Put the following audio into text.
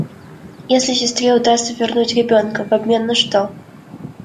Если сестре удастся вернуть ребенка… В обмен на что?